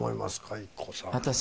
ＩＫＫＯさん。